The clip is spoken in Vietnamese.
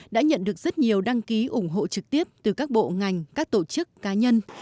đã nhận được rất nhiều đăng ký ủng hộ trực tiếp từ các bộ ngành các tổ chức cá nhân